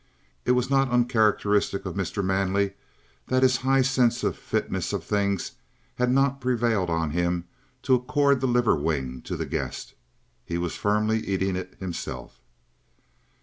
It was not uncharacteristic of Mr. Manley that his high sense of the fitness of things had not prevailed on him to accord the liver wing to the guest. He was firmly eating it himself.